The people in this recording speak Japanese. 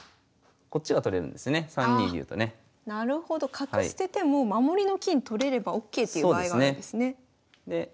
角捨てても守りの金取れればＯＫっていう場合があるんですね。